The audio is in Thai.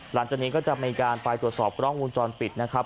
หลังจากนี้ก็จะมีการไปตรวจสอบกล้องวงจรปิดนะครับ